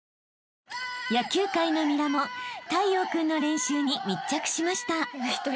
［野球界のミラモン太陽君の練習に密着しました］